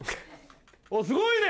すごいね！